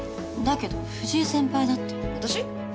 だけど藤井先輩だって。